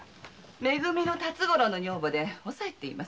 「め組」の辰五郎の女房おさいと言います。